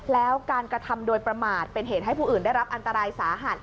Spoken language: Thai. แล้วการกระทำโดยประมาทเป็นเหตุให้ผู้อื่นได้รับอันตรายสาหัส